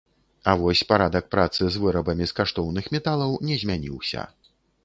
А вось парадак працы з вырабамі з каштоўных металаў не змяніўся.